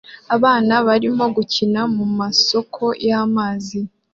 abana barimo gukina mu masoko y'amazi